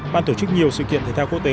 ban tổ chức nhiều sự kiện thể thao quốc tế